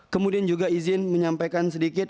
kemudian juga izin menyampaikan sedikit